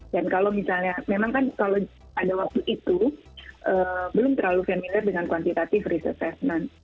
dan kalau misalnya memang kan kalau ada waktu itu belum terlalu familiar dengan kuantitatif risk assessment